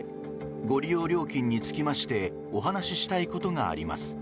ご利用料金につきましてお話したいことがあります。